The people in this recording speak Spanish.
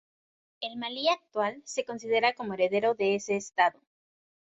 El Malí actual se considera como heredero de ese Estado.